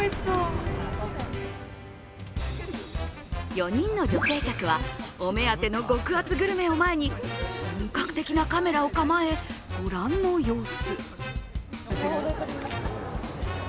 ４人の女性客はお目当ての極厚グルメを前に本格的なカメラを構え、ご覧の様子。